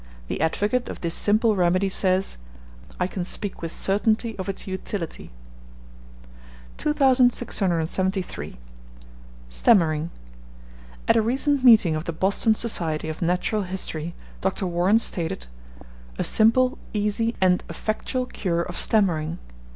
The advocate of this simple remedy says, "I can speak with certainty of its utility." 2673. STAMMERING. At a recent meeting of the Boston Society of Natural History, Dr. Warren stated, "A simple, easy, and effectual cure of stammering."